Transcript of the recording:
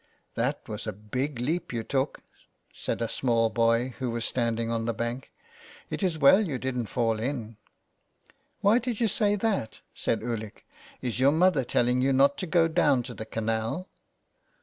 "That was a big leap you took," said a small boy who was standing on the bank. " It is well you didn't fall in." ''Why did you say that?" said Ulick, " is your mother telling you not to go down to the canal